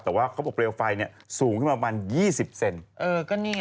แต่ว่าเขาปร๊อบเรียลไฟสูงขึ้นประมาณ๒๐เซนติเซนติ